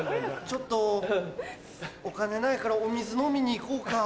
ちょっとお金ないからお水飲みに行こうか。